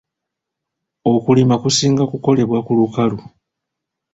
Okulima kusinga ku kolebwa ku lukalu.